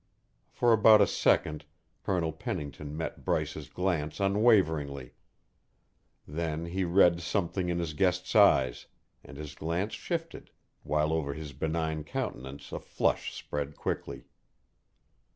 For about a second Colonel Pennington met Bryce's glance unwaveringly; then he read something in his guest's eyes, and his glance shifted, while over his benign countenance a flush spread quickly.